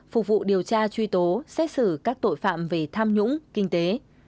phục vụ điều tra truy tố xét xử các tội phạm về tham nhũng kinh tế